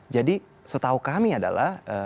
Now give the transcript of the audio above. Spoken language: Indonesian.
jadi setahu kami adalah